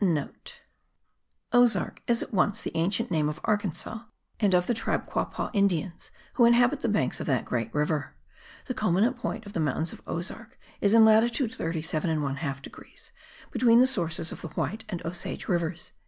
(* Ozark is at once the ancient name of Arkansas and of the tribe of Quawpaw Indians who inhabit the banks of that great river. The culminant point of the Mountains of Ozark is in latitude 37 1/2 degrees, between the sources of the White and Osage rivers.)